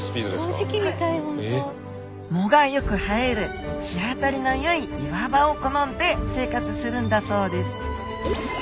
藻がよく生える日当たりのよい岩場を好んで生活するんだそうです。